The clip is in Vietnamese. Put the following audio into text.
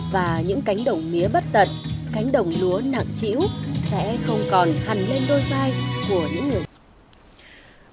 và những cánh đồng mía bất tận cánh đồng lúa nặng chĩu sẽ không còn hằn lên đôi vai của những người